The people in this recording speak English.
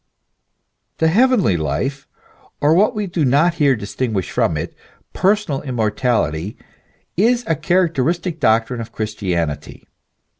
The heavenly life, or what we do not here distinguish from it personal immortality, is a characteristic doctrine of Chris tianity.